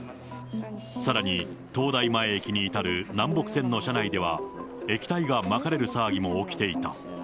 さらに、東大前駅に至る南北線の車内では、液体がまかれる騒ぎも起きていた。